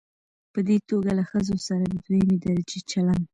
په دې توګه له ښځو سره د دويمې درجې چلن